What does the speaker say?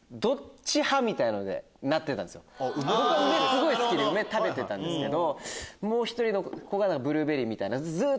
僕は梅すごい好きで梅食べてたんですけどもう１人の子がブルーベリーみたいな。